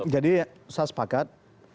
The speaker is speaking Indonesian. jadi saya sepakat